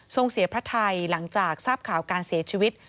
เสียพระไทยหลังจากทราบข่าวการเสียชีวิต